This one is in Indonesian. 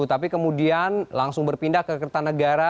tapi kemudian langsung berpindah ke kertanegara